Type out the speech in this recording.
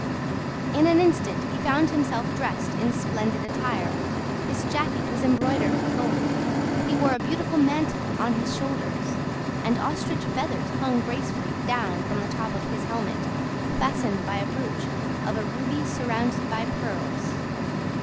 In an instant he found himself dressed in splendid attire; his jacket was embroidered with gold, he wore a beautiful mantle on his shoulders, and ostrich feathers hung gracefully down from the top of his helmet, fastened by a brooch of a ruby surrounded by pearls.